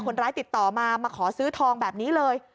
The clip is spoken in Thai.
คนร้ายติดต่อมามาขอซื้อทองแบบนี้เลย